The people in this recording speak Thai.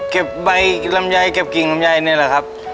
ใบลำไยเก็บกิ่งลำไยนี่แหละครับ